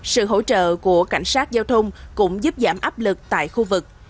sự hỗ trợ của cảnh sát giao thông cũng giúp giảm áp lực tại khu vực